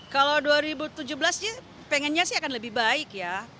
kalau dua ribu tujuh belas sih pengennya sih akan lebih baik ya